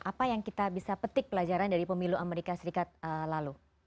apa yang kita bisa petik pelajaran dari pemilu amerika serikat lalu